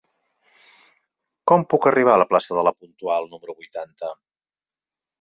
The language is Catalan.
Com puc arribar a la plaça de La Puntual número vuitanta?